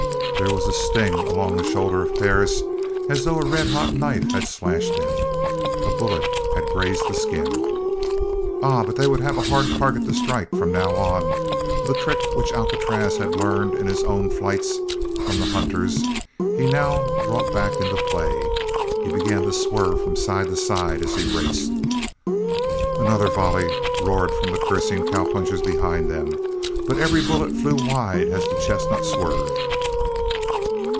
There was a sting along the shoulder of Perris as though a red hot knife had slashed him; a bullet had grazed the skin. Ah, but they would have a hard target to strike, from now on! The trick which Alcatraz had learned in his own flights from the hunters he now brought back into play. He began to swerve from side to side as he raced. Another volley roared from the cursing cowpunchers behind them, but every bullet flew wide as the chestnut swerved.